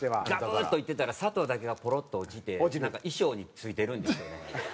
ガブッといってたら砂糖だけがポロッと落ちて衣装に付いてるんですよね。